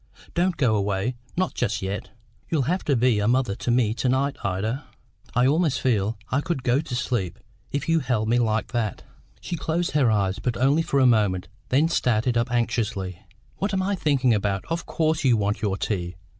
Don't go away, not just yet. You'll have to be a mother to me to night, Ida. I almost feel I could go to sleep, if you held me like that." She closed her eyes, but only for a moment, then started up anxiously. "What am I thinking about! Of course you want your tea."